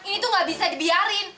ini tuh nggak bisa dibiarin